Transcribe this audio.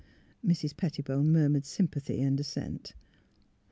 Mrs. Pettibone murmured sympathy and as sent.